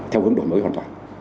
theo hướng đổi mới hoàn toàn